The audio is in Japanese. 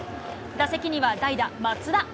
打席には代打、松田。